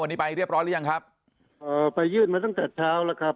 วันนี้ไปเรียบร้อยหรือยังครับเอ่อไปยื่นมาตั้งแต่เช้าแล้วครับ